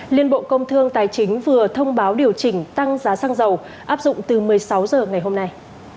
liên bộ công thương tài chính vừa thông báo điều chỉnh tăng giá xăng dầu áp dụng từ một mươi sáu h ngày hôm nay